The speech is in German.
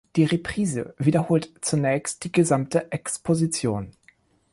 Die Reprise wiederholt zunächst die gesamte Exposition.